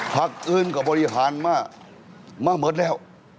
ภักดิ์อื่นก็บริหารมาเมื่อเหมือนแล้ว